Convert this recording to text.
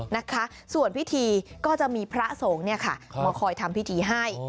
นะคะส่วนพิธีก็จะมีพระสงฆ์เนี่ยค่ะมาคอยทำพิธีให้